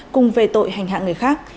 cùng về tội hành hạng người khác